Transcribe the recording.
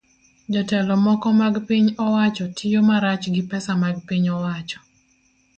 Jotelo moko mag piny owacho tiyo marach gi pesa mag piny owacho